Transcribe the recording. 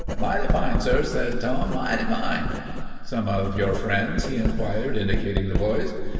"Mighty fine, sir," said Tom; "mighty fine." "Some of your friends?" he inquired, indicating the boys.